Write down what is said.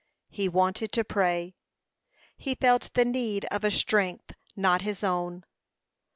He wanted to pray. He felt the need of a strength not his own.